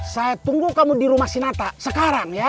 saya tunggu kamu di rumah si nata sekarang ya